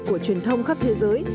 của truyền thông khắp thế giới